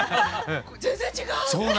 全然違う！